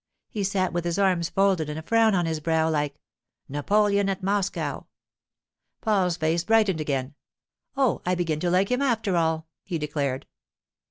He sat with his arms folded and a frown on his brow, like—Napoleon at Moscow.' Paul's face brightened again. 'Oh, I begin to like him, after all,' he declared.